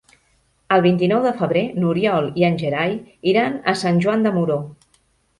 El vint-i-nou de febrer n'Oriol i en Gerai iran a Sant Joan de Moró.